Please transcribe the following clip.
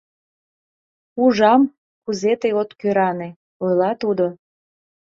— Ужам, кузе тый «от кӧране», — ойла тудо.